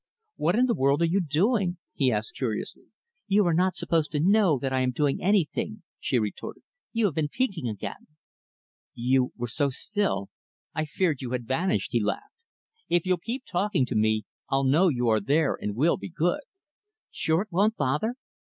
"What in the world are you doing?" he asked curiously. "You are not supposed to know that I am doing anything," she retorted. "You have been peeking again." "You were so still I feared you had vanished," he laughed. "If you'll keep talking to me, I'll know you are there, and will be good." "Sure it won't bother?"